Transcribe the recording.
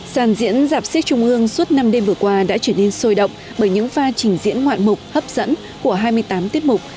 sàn diễn giạp siếc trung ương suốt năm đêm vừa qua đã trở nên sôi động bởi những pha trình diễn ngoạn mục hấp dẫn của hai mươi tám tiết mục